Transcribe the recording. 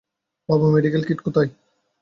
বাবা - medical kit কোথায়?